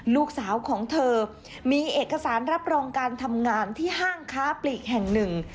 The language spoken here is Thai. ลูกสาวของเธอมีเอกสารรับรองการทำงานที่ห้างค้าปลีกแห่งหนึ่ง